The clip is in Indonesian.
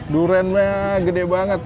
duriannya gede banget